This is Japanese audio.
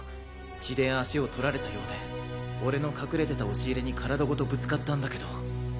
血で足をとられたようで俺の隠れてた押し入れに体ごとぶつかったんだけど。